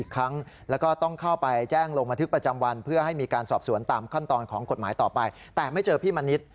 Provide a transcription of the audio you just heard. ของกฎหมายต่อไปแต่ไม่เจอพี่มณิชย์